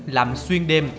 làm xuyên đêm